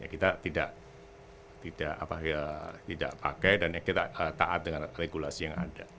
kita tidak pakai dan kita taat dengan regulasi yang ada